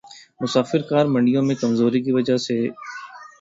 مسافر کار منڈیوں میں کمزوری کی وجہ سے